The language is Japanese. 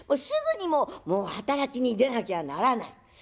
すぐにもう働きに出なきゃならない。